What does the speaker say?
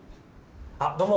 あどうも！